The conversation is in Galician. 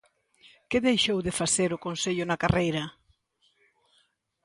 Que deixou de facer o Concello na carreira?